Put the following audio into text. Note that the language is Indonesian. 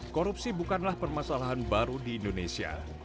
korupsi bukanlah permasalahan baru di indonesia